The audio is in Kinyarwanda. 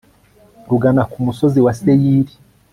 rugana ku musozi wa seyiri